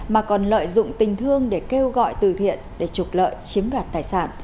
mà còn lợi dụng tình thương để kêu gọi từ thiện để trục lợi chiếm đoạt tài sản